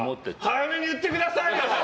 早めに言ってくださいよ